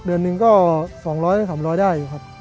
เดือนหนึ่งก็๒๐๐๓๐๐ได้อยู่ครับ